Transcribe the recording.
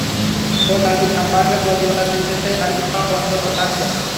গোল আলুর দাম বাড়লে প্রতিবাদ হিসেবে আলু খাওয়া বন্ধ রাখা যায়।